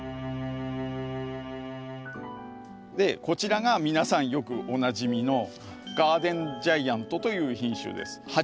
こちらが皆さんよくおなじみの‘ガーデン・ジャイアント’という品種です。